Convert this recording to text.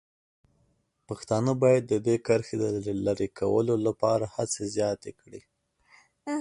پښتانه باید د دې کرښې د لرې کولو لپاره هڅې زیاتې کړي.